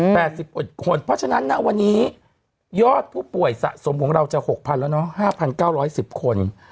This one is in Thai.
เพราะฉะนั้นวันนี้ยอดผู้ป่วยสะสมของเราจะ๖๐๐๐แล้วเนาะ๕๙๑๐คน